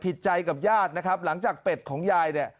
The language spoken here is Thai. ผิดใจกับญาตินะครับหลังจากเป็ดของยายเนี่ย